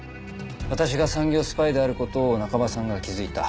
私が産業スパイである事を中葉さんが気づいた。